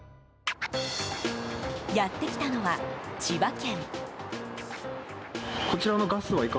やってきたのは千葉県。